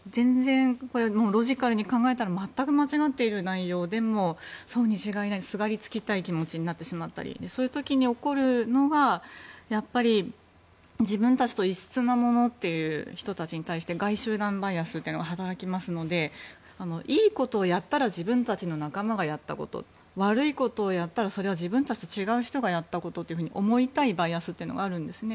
ロジカルに考えたら間違っているような内容でもそうに違いないすがりつきたい気持ちになったりそういう時に起こるのが自分たちと異質なものに対して外集団バイアスというのが働きますのでいいことをやったら自分たちの仲間がやったこと悪いことをやったらそれは自分たちと違うことがやったことというふうに思いたいバイアスというのがあるんですね。